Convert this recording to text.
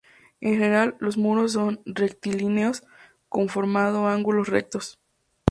En general, los muros son rectilíneos conformando ángulos rectos.